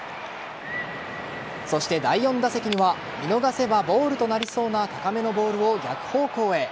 そして第４打席には見逃せばボールとなりそうな高めのボールを逆方向へ。